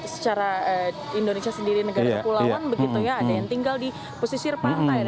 secara indonesia sendiri negara negara pulauan ada yang tinggal di posisi repat air